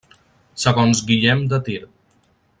Segons Guillem de Tir.